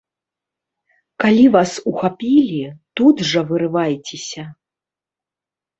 Калі вас ухапілі, тут жа вырывайцеся.